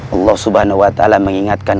allah subhanahu wa ta'ala mengingatkan